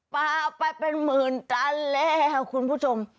ปลาไปเป็นหมื่นตันแล้วคุณผู้ชม